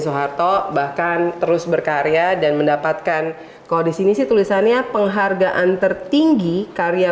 soeharto bahkan terus berkarya dan mendapatkan kalau disini sih tulisannya penghargaan tertinggi karya